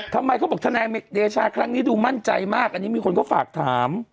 ทำไมเขาบอกทนายเดชาครั้งนี้ดูมั่นใจมากอันนี้มีคนก็ฝากถาม